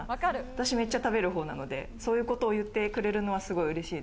私、めっちゃ食べる方なのでこういうことを言ってくれるのは嬉しい。